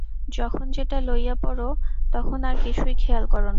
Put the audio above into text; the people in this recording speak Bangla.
যখন যেটা লইয়া পড়, তখন আর-কিছুই খেয়াল কর না।